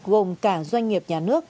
gồm cả doanh nghiệp nhà nước